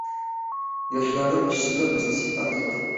ياشلارنىڭ ئىشسىزلىق مەسىلىسى ئەڭ ئېغىر.